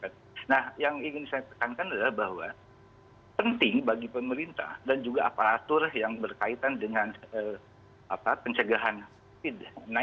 nah yang ingin saya tekankan adalah bahwa penting bagi pemerintah dan juga aparatur yang berkaitan dengan pencegahan